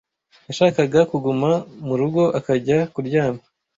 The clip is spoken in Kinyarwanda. yashakaga kuguma murugo akajya kuryama.